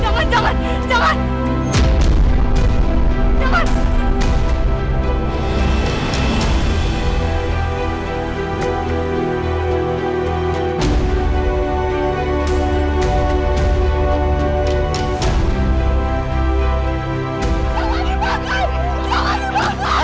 jangan dibakar jangan dibakar